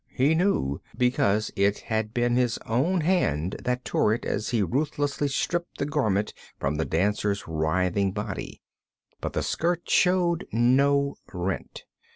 He knew, because it had been his own hand that tore it as he ruthlessly stripped the garment from the dancer's writhing body. But the skirt showed no rent.